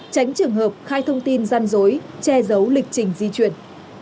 tránh trường hợp khai thông tin gian dối che giấu lịch trình di chuyển